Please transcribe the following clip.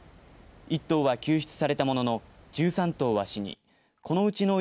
１頭は救出されたものの１３頭は死にこのうち